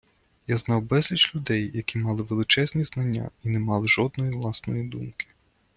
Я знав безліч людей, які мали величезні знання і не мали жодної власної думки.